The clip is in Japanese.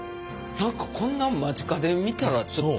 何かこんな間近で見たらちょっと。